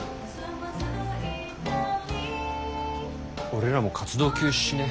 俺らも活動休止しね？